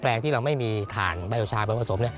แปลงที่เราไม่มีฐานไบโอชาไปปรุงผสม